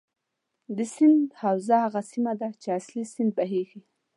د سیند حوزه هغه سیمه ده چې اصلي سیند بهیږي.